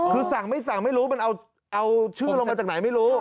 คือสั่งไม่สั่งไม่รู้มันเอาชื่อลงมาจากไหนไม่รู้